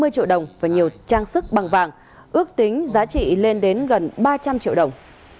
năm mươi triệu đồng và nhiều trang sức bằng vàng ước tính giá trị lên đến gần ba trăm linh triệu đồng